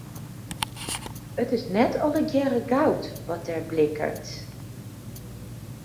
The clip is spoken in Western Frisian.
It is net allegearre goud wat der blikkert.